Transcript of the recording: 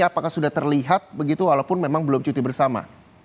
apakah sudah terlihat begitu walaupun memang belum cuti bersama